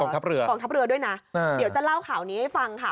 กองทัพเรือด้วยนะเดี๋ยวจะเล่าข่าวนี้ให้ฟังค่ะ